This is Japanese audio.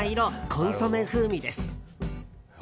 コンソメ風味です。